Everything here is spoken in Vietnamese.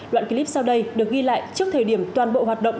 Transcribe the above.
đoạn clip sau đây được ghi lại trước thời điểm toàn bộ hoạt động